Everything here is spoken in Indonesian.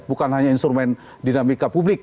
bukan hanya instrumen dinamika publik